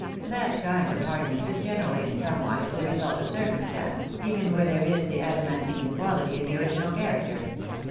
That kind of hardness is generally in somewise the result of circumstance, even where there is the adamantine quality in the original character."